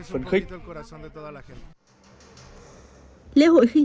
lễ hội khinh khí cầu là một trong những hoạt động